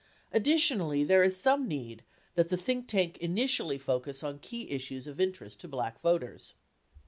Addi tionally, there is some need that the think tank initially focus on key issues of interest to Black voters.